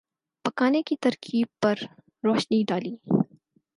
پکانے کی ترکیب پر روشنی ڈالی